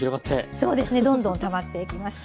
そうですねどんどんたまってきました。